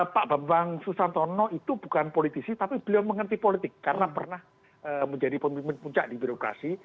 pak bambang susantono itu bukan politisi tapi beliau mengerti politik karena pernah menjadi pemimpin puncak di birokrasi